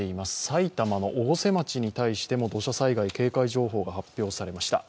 埼玉の越生町に対しても土砂災害警戒情報が発表されました。